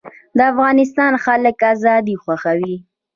د افغانستان خلک ازادي خوښوي